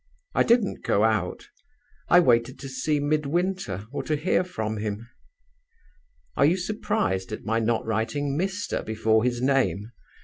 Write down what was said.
I didn't go out: I waited to see Midwinter or to hear from him. (Are you surprised at my not writing 'Mr.' before his name?